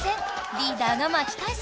リーダーがまきかえす！